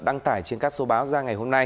đăng tải trên các số báo ra ngày hôm nay